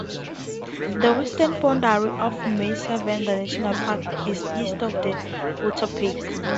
The western boundary of Mesa Verde National Park is east of Ute Peak.